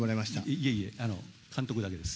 いやいや、監督だけです。